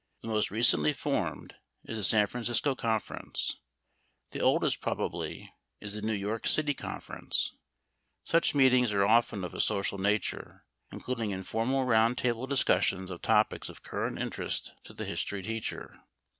The most recently formed is the San Francisco Conference; the oldest, probably, is the New York City Conference. Such meetings are often of a social nature, including informal round table discussions of topics of current interest to the history teacher.